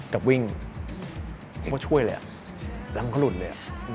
กลับวิ่งเราก็ช่วยเลยอะรังก็หลุนเลยอะ